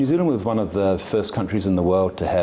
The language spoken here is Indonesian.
new zealand adalah salah satu negara terbaru di dunia